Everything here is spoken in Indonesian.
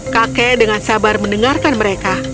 kakek dengan sabar mendengarkan mereka